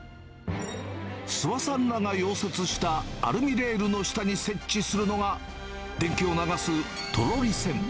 諏訪さんらが溶接したアルミレールの下に設置するのが、電気を流すトロリ線。